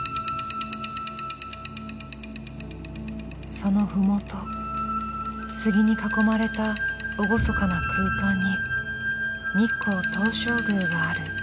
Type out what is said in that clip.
その麓杉に囲まれた厳かな空間に日光東照宮がある。